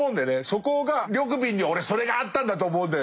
そこが緑敏には俺それがあったんだと思うんだよね。